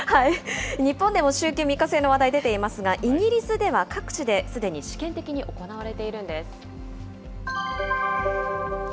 日本でも週休３日制の話題出ていますが、イギリスでは各地ですでに試験的に行われているんです。